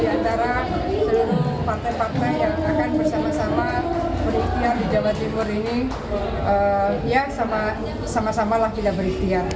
antara seluruh partai partai yang akan bersama sama berikhtiar di jawa timur ini ya sama samalah tidak berikhtiar